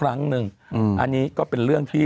อันนี้ก็เป็นเรื่องที่